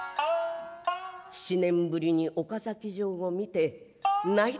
七年ぶりに岡崎城を見て泣いてしまった。